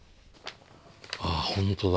ああ本当だ。